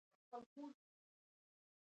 چې زوی دې سپین ږیری شو، واده څه وخت ورته کوې.